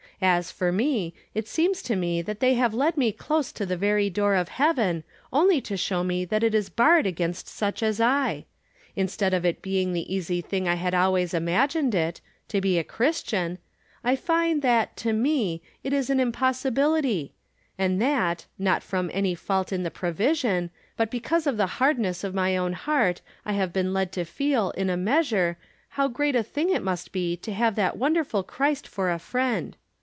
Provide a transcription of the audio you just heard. As for me, it seems to me that they have led me close to the very door of heaven, only to show me that it is barred against such as I. Instead of it being the easy thing I had always imagined it — to be a Christian — J^ find that, to me, it is an impossi bility ; and that, not from any fault in the pro vision, but because of the hardness of my own heart, I have been led to feel, in a measure, how great a thing it must be to have that wonderful Christ for a friend.